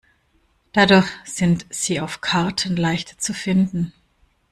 Dadurch sind sie auf Karten leicht zu finden.